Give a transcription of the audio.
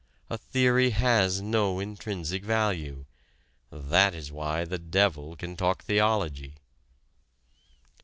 A theory has no intrinsic value: that is why the devil can talk theology.